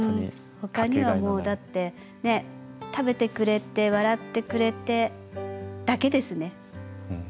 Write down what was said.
ほかにはもうだって食べてくれて笑ってくれてだけですね。